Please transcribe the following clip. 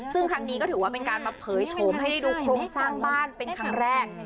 ซึ่งครั้งนี้ก็ถือว่าเป็นการมาเผยโฉมให้ได้ดูโครงสร้างบ้านเป็นครั้งแรก